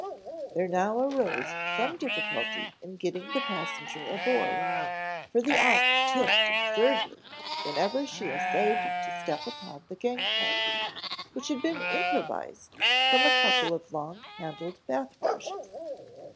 There now arose some difficulty in getting the passenger aboard, for the ark tipped absurdly whenever she essayed to step upon the gang plank, which had been improvised from a couple of long handled bath brushes.